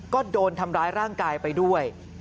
ก็โดนทำร้ายร่างกายไปด้วย